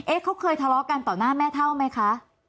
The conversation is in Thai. เขาเคยทะเลาะกันต่อหน้าแม่เท่าไหมคะ